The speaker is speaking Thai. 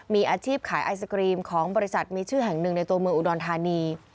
มีอาชีพขายไอศกรีมของบริษัทมีชื่อแห่งหนึ่งในตัวเมืองอุดรธานี